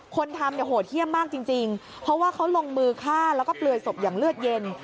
คนทำเนี่ยโหดเยี่ยมมากจริงเพราะว่าเขาลงมือฆ่าแล้วก็เปลือยศพอย่างเลือดเย็น